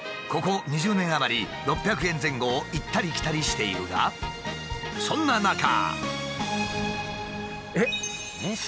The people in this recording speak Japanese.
ここ２０年余り６００円前後を行ったり来たりしているがそんな中。